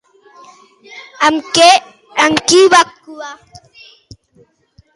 Amb qui va actuar?